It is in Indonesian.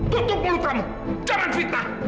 tutup mulut kamu jangan fitnah